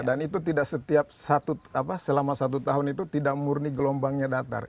dan itu tidak setiap satu apa selama satu tahun itu tidak murni gelombangnya datar